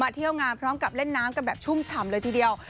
เที่ยวงานพร้อมกับเล่นน้ำกันแบบชุ่มฉ่ำเลยทีเดียว